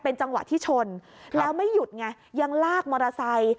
จังหวะที่ชนแล้วไม่หยุดไงยังลากมอเตอร์ไซค์